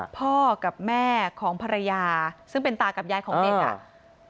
พ่อกับแม่ของภรรยาซึ่งเป็นตากับยายของเด็กอ่ะ